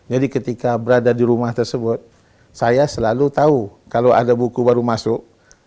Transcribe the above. jadi ketika berada di rumah tersebut saya selalu tahu kalau ada buku baru masuk